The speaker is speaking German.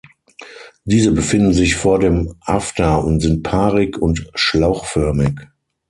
Diese befinden sich vor dem After und sind paarig und schlauchförmig.